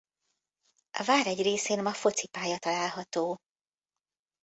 A vár egy részén ma focipálya található.